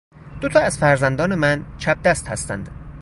دو تا از فرزندان من چپ دست هستند.